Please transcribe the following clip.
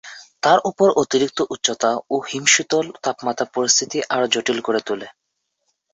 তার উপর অতিরিক্ত উচ্চতা ও হিমশীতল তাপমাত্রা পরিস্থিতি আরও জটিল করে তোলে।